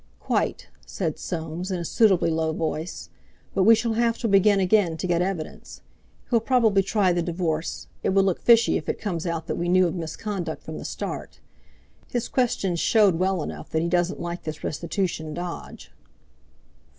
"Quite," said Soames in a suitably low voice, "but we shall have to begin again to get evidence. He'll probably try the divorce—it will look fishy if it comes out that we knew of misconduct from the start. His questions showed well enough that he doesn't like this restitution dodge."